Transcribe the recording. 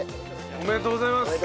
おめでとうございます。